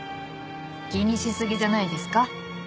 気にしすぎじゃないですか？